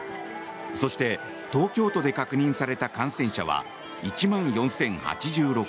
そして、東京都で確認された感染者は１万４０８６人。